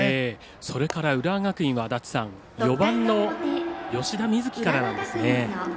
それから、浦和学院は４番の吉田瑞樹からなんですね。